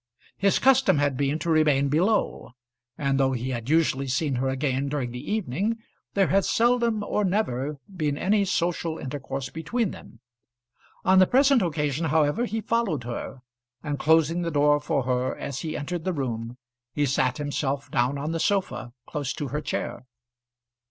His custom had been to remain below, and though he had usually seen her again during the evening, there had seldom or never been any social intercourse between them. On the present occasion, however, he followed her, and closing the door for her as he entered the room, he sat himself down on the sofa, close to her chair.